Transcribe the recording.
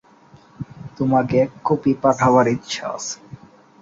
তোমাকে এক কপি পাঠাবার ইচ্ছা আছে।